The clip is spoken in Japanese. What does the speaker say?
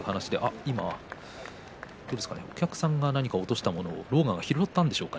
今お客さんが何か落としたものを狼雅が拾ったんでしょうか。